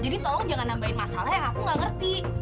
jadi tolong jangan nambahin masalah yang aku gak ngerti